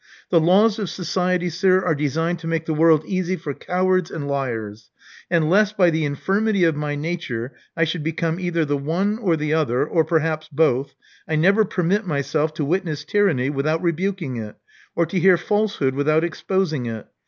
The laws of society, sir, are designed to make the world easy for cowards and liars. And lest by the infirmity of my nature I should become either the one or the other, or perhaps both, I never permit myself to witness tyranny without rebuking it, or to hear falsehood without exposing it.